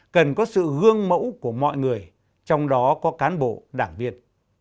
cần có sự gương mẫu của mọi người trong đó có cán bộ đảng viên